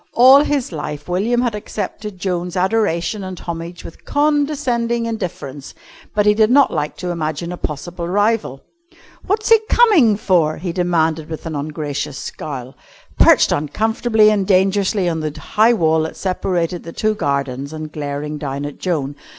All his life, William had accepted Joan's adoration and homage with condescending indifference, but he did not like to imagine a possible rival. "What's he coming for?" he demanded with an ungracious scowl, perched uncomfortably and dangerously on the high wall that separated the two gardens and glaring down at Joan.